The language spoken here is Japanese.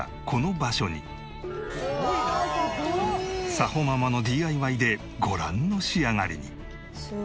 さほママのＤＩＹでご覧の仕上がりに。